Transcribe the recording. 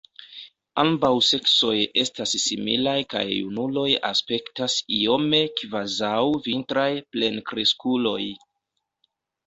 Ambaŭ seksoj estas similaj kaj junuloj aspektas iome kvazaŭ vintraj plenkreskuloj.